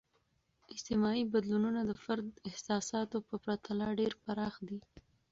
اجتماعي بدلونونه د فرد احساساتو په پرتله ډیر پراخ دي.